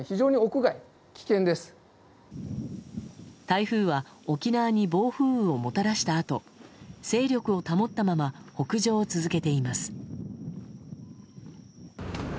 台風は沖縄に暴風雨をもたらしたあと勢力を保ったまま北上を続けています。